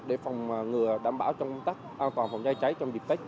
để phòng ngừa đảm bảo trong công tác an toàn phòng cháy cháy trong dịp tết